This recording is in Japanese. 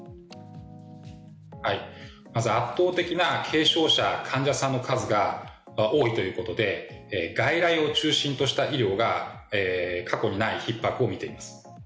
まず、圧倒的な軽症者患者さんの数が多いということで外来を中心とした医療が過去にないひっ迫を見ています。